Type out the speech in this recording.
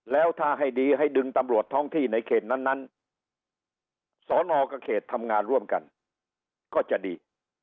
แล้วถ้าให้ดีให้ดึงตำรวจท้องที่ในเขตนั้นสอนอกับเขตทำงานร่วมกันก็จะดี